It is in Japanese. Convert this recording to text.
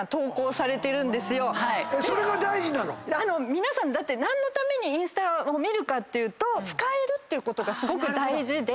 皆さんだって何のためにインスタを見るかっていうと使えるってことがすごく大事で。